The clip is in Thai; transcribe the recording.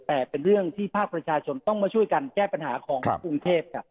แต่เป็นเรื่องที่ภาคประชาชนต้องมาช่วยกันแก้ปัญหาของกรุงเทพครับ